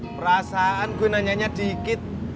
perasaan gue nanyanya dikit